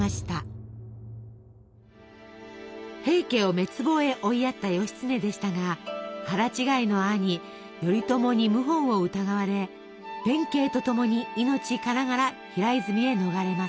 平家を滅亡へ追いやった義経でしたが腹違いの兄頼朝に謀反を疑われ弁慶と共に命からがら平泉へ逃れます。